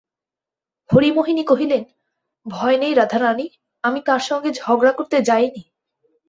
হরিমোহিনী কহিলেন, ভয় নেই রাধারানী, আমি তাঁর সঙ্গে ঝগড়া করতে যাই নি।